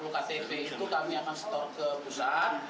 satu ratus empat puluh ktp itu kami akan store ke pusat